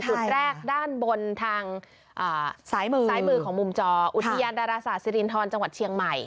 จุดแรกด้านบนทางซ้ายมือซ้ายมือของมุมจออุทยานดาราศาสสิรินทรจังหวัดเชียงใหม่